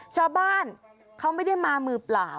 ชาวบ้านเขาไม่ได้มามือเปล่า